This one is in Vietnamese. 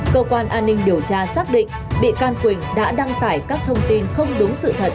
cơ quan an ninh điều tra xác định bị can quỳnh đã đăng tải các thông tin không đúng sự thật